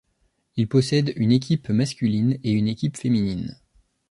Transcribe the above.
Il possède une équipe masculine et une équipe féminine.